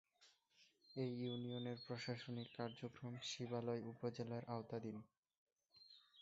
এ ইউনিয়নের প্রশাসনিক কার্যক্রম শিবালয় উপজেলার আওতাধীন